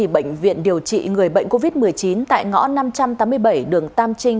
bệnh viện điều trị người bệnh covid một mươi chín tại ngõ năm trăm tám mươi bảy đường tam trinh